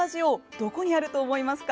どこにあると思いますか？